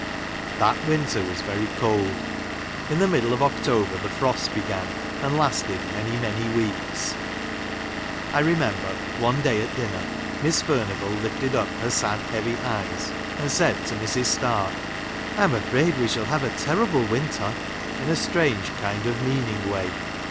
That winter Avas very cold. In the middle ^ of October the frosts began, and lasted many, many weeks. I remember, one day at dinner, Miss Furnivall lifted up her sad, heavy eyes, and said to Mrs. Stark, " I am afraid we shall have a tei'rible winter," in a strange kind of meaning way.